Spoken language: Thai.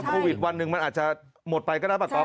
โควิดวันหนึ่งมันอาจจะหมดไปก็ได้ปะก๊อ